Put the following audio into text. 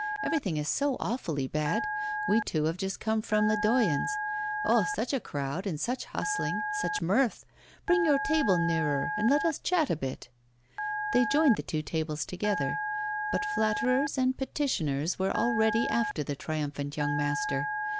Everything is so awfully bad. We two have just come from Ledoyen's. Oh! such a crowd and such hustling, such mirth! Bring your table nearer and let us chat a bit.' They joined the two tables together. But flatterers and petitioners were already after the triumphant young master.